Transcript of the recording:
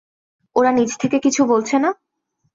ওরা নিজ থেকে কিছু বলছে না?